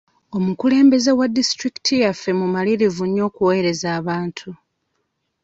Omukulembeze wa disitulikiti yaffe mumalirivu nnyo okuweereza abantu.